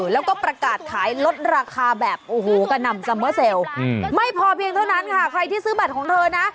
แล้วก็ประกาศขายลดราคาแบบโอ้โหกระหน่ำซัมเมอร์เซลล์ไม่พอเพียงเท่านั้นค่ะใครที่ซื้อบัตรของเธอนะ